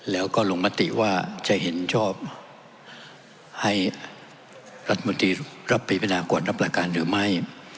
แล้วก็ลงมติว่าจะเห็นชอบให้รัฐมนตรีรับปีพินากวดรับหลักการหรือไม่